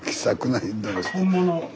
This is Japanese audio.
・本物。